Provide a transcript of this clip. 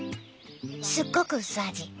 すっごく薄味。